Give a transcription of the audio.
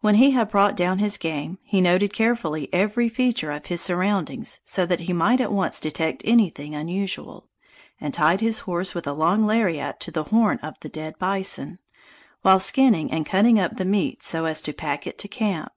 When he had brought down his game, he noted carefully every feature of his surroundings so that he might at once detect anything unusual, and tied his horse with a long lariat to the horn of the dead bison, while skinning and cutting up the meat so as to pack it to camp.